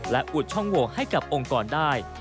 และอุดช่องโหวให้กับองค์กรได้